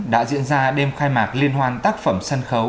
đã diễn ra đêm khai mạc liên hoan tác phẩm sân khấu